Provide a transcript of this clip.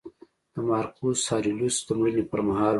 د مارکوس اریلیوس د مړینې پرمهال و